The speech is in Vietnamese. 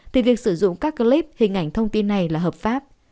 thì việc sử dụng các clip hình ảnh thông tin này là hợp pháp